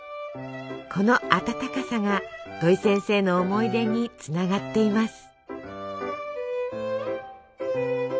この温かさが土井先生の思い出につながっています。